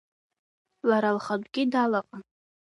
Лара лхатәгьы далаҟан.